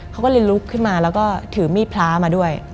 เขาก็เลยลุกขึ้นมาแล้วก็ถือมีดพระมาด้วย